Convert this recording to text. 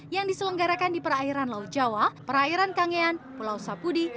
yang diselenggarakan di perairan laut jawa perairan kangean pulau sapudi